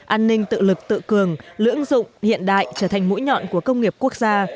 an ninh tự lực tự cường lưỡng dụng hiện đại trở thành mũi nhọn của công nghiệp quốc gia